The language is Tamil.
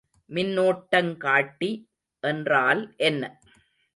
மின்னோட்டங்காட்டி என்றால் என்ன?